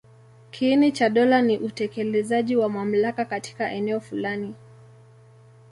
Kiini cha dola ni utekelezaji wa mamlaka katika eneo fulani.